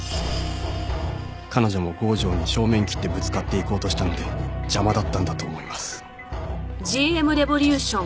彼女も郷城に正面切ってぶつかっていこうとしたので邪魔だったんだと思います。